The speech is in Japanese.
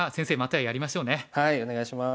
はいお願いします。